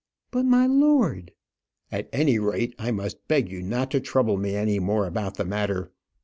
"But, my lord " "At any rate, I must beg you not to trouble me any more about the matter.